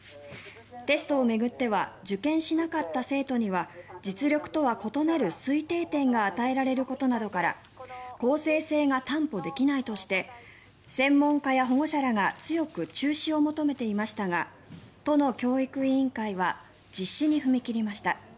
テストを巡っては受験しなかった生徒には実力とは異なる推定点が与えられることなどから公正性が担保できないとして専門家や保護者らが強く中止を求めていましたが都の教育委員会は実施に踏み切りました。